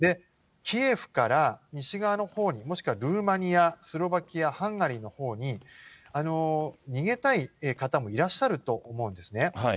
キエフから西側のほうに、もしくはルーマニア、スロバキア、ハンガリーのほうに、逃げたい方もいらっしゃると思うんですね。